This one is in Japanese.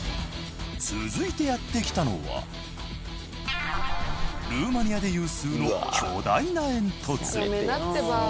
続いてやって来たのはルーマニアで有数のやめなってば。